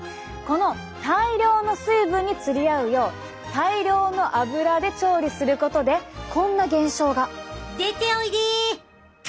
この大量の水分に釣り合うよう大量の油で調理することでこんな現象が。